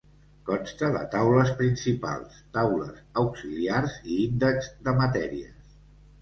Consta de taules principals, taules auxiliars i índex de matèries.